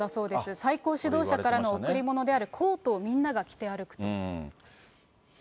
最高指導者からの贈り物であるコートを、みんなが着て歩くと。